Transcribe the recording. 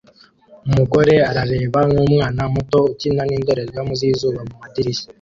Umugore arareba nkumwana muto ukina nindorerwamo zizuba mumadirishya